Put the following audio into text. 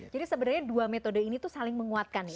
jadi sebenarnya dua metode ini tuh saling menguatkan ya